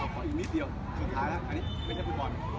ขออีกนิดเดียวสุดท้ายแล้วอันนี้ไม่ใช่ฟุตบอล